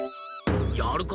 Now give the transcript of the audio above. やるか！